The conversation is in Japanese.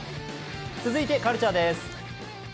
続いてカルチャーです。